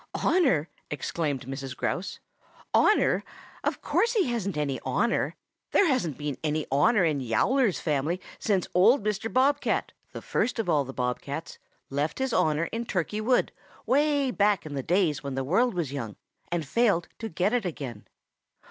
"Honor!" exclaimed Mrs. Grouse. "Honor! Of course he hasn't any honor. There hasn't been any honor in Yowler's family since old Mr. Bob cat, the first of all the Bob cats, left his honor in Turkey Wood, way back in the days when the world was young, and failed to get it again.